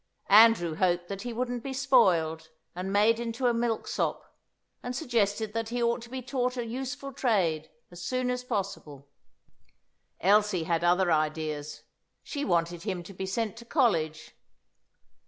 Andrew hoped that he wouldn't be spoiled, and made into a milksop, and suggested that he ought to be taught a useful trade as soon as possible. Elsie had other ideas; she wanted him to be sent to college.